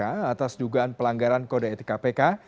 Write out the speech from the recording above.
atas dugaan pelanggaran kode etik kpk